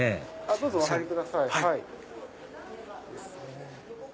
どうぞお入りください。